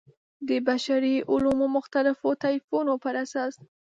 د بشري علومو مختلفو طیفونو پر اساس.